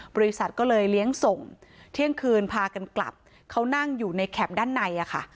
บริษัทก็เลยเลี้ยงส่งเที่ยงคืนพากันกลับเขานั่งอยู่ในแคปด้านในอะค่ะ